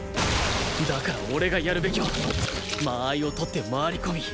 だから俺がやるべきは間合いを取って回り込み